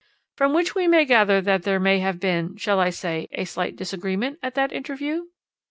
"'From which we may gather that there may have been shall I say a slight disagreement at that interview?'